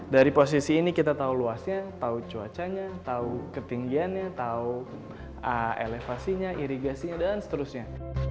dari posisi ini kita tahu luasnya tahu cuacanya tahu ketinggiannya tahu elevasinya irigasinya dan seterusnya